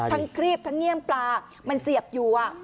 ทั้งครีบทั้งเงียบปลามันเสียบอยู่อ่ะ